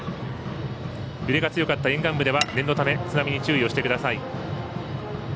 揺れが強かった沿岸部では念のため津波に注意してください。